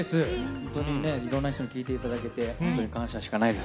本当にね、いろんな人に聴いていただけて、本当に感謝しかないです。